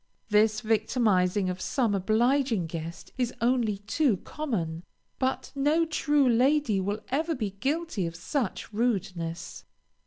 This victimizing of some obliging guest is only too common, but no true lady will ever be guilty of such rudeness.